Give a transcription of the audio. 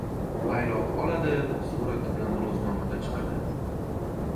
Bayroq oladi. Surati bilan ro‘znomada chiqadi.